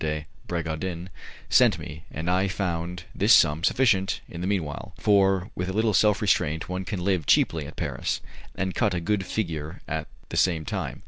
de Bragadin, sent me, and I found this sum sufficient in the meanwhile, for with a little self restraint one can live cheaply at Paris, and cut a good figure at the same time.